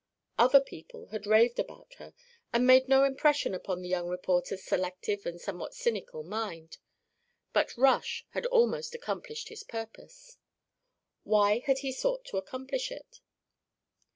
Other people had raved about her and made no impression upon the young reporter's selective and somewhat cynical mind; but Rush had almost accomplished his purpose! Why had he sought to accomplish it?